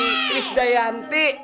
siti siti kris dayanti